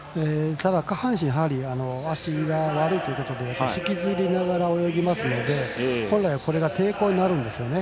ただ足が悪いということで引きずりながら泳ぎますので本来これが抵抗になるんですよね。